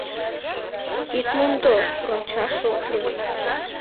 — Ит мондо, рончаш ок лий.